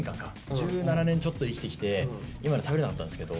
１７年ちょっと生きてきて今まで食べれなかったんですけど。